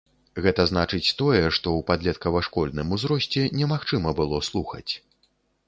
Гэта значыць тое, што ў падлеткава-школьным узросце немагчыма было слухаць.